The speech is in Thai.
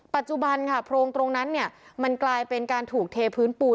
ปัจจุบันค่ะโพรงตรงนั้นเนี่ยมันกลายเป็นการถูกเทพื้นปูน